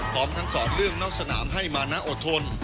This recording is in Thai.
พร้อมทั้งสอนเรื่องนอกสนามให้มานะอดทน